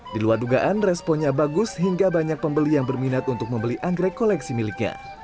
di luar dugaan responnya bagus hingga banyak pembeli yang berminat untuk membeli anggrek koleksi miliknya